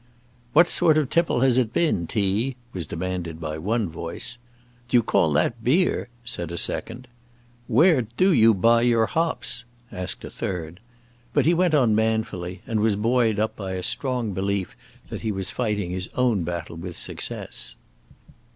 "What sort of tipple has it been, T.?" was demanded by one voice. "Do you call that beer?" said a second. "Where do you buy your hops?" asked a third. But he went on manfully, and was buoyed up by a strong belief that he was fighting his own battle with success.